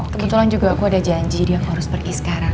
kebetulan juga aku ada janji dia harus pergi sekarang